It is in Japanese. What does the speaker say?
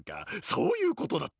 そういうことだったか！